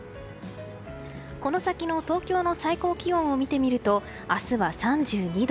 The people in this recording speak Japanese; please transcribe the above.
この先の東京の最高気温を見てみると明日は３２度。